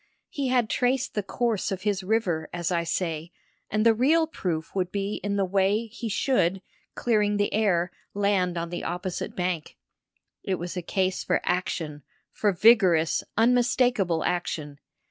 He had traced the course of his river, as I say, and the real proof would be in the way he should, clearing the air, land on the opposite bank. It was a case for action for vigorous, unmistakable action.